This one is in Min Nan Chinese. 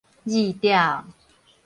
揤吊